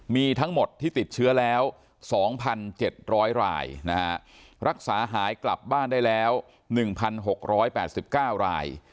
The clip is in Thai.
มีทั้งหมดที่ติดเชื้อแล้ว๒๗๐๐รายรักษาหายกลับบ้านได้แล้ว๑๖๘๙ราย